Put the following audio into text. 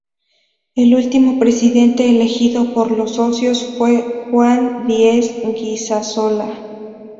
El último presidente elegido por los socios fue Juan Díez Guisasola.